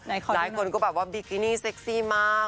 เมื่อกี้นี่เซ็กซี่มาก